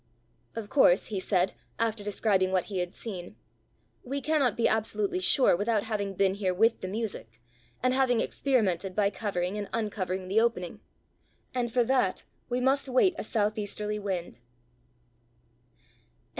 "Of course," he said, after describing what he had seen, "we cannot be absolutely sure without having been here with the music, and having experimented by covering and uncovering the opening; and for that we must wait a south easterly wind."